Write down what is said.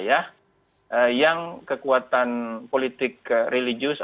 yang kekuatan politik religiusnya yang kekuatan politik religiusnya yang kekuatan politik religiusnya